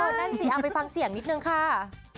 นั่นสิเอาไปฟังเสียงนิดนึงค่ะ